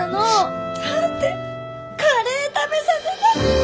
だってカレー食べさせたくて！